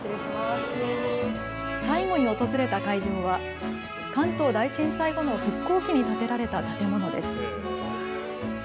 最後に訪れた会場は関東大震災後の復興期に建てられた建物です。